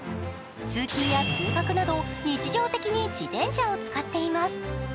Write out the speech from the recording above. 通勤や通学など日常的に自転車を使っています。